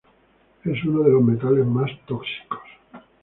Es uno de los metales más tóxicos.